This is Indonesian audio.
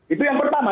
itu yang pertama